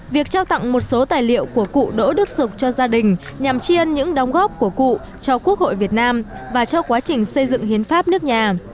việc trao tặng một số tài liệu của cụ đỗ đức dục cho gia đình nhằm chiên những đóng góp của cụ cho quốc hội việt nam và cho quá trình xây dựng hiến pháp nước nhà